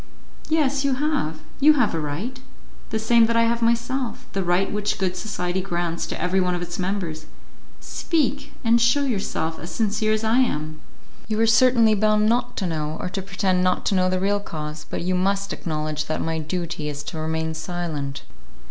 "Yes, you have; you have a right, the same that I have myself; the right which good society grants to every one of its members. Speak, and shew yourself as sincere as I am." "You are certainly bound not to know, or to pretend not to know the real cause, but you must acknowledge that my duty is to remain silent."